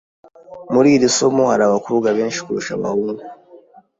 Muri iri somo hari abakobwa benshi kurusha abahungu.